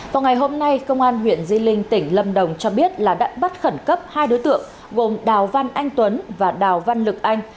vào ngày hôm nay công an huyện di linh tỉnh lâm đồng cho biết là đã bắt khẩn cấp hai đối tượng gồm đào văn anh tuấn và đào văn lực anh